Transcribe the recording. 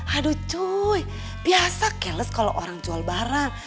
aduh cuy biasa keles kalo orang jual barang